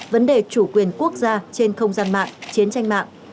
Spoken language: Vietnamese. vấn đề chủ quyền quốc gia trên không gian mạng chiến tranh mạng